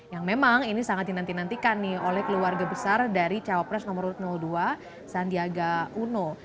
yang memang ini sangat dinantikan nih oleh keluarga besar dari cawapres nomor dua sandiaga uno